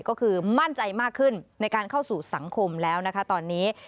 ก็คือมั่นใจมากขึ้นในการเข้าสู่สังคมแล้วนะคะตอนนี้